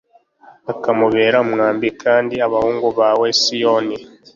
akamubera umwambi kandi abahungu bawe Siyoni